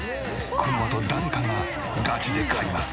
このあと誰かがガチで買います。